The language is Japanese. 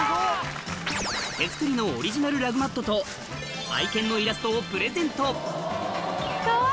手作りのオリジナルラグマットと愛犬のイラストをプレゼントかわいい！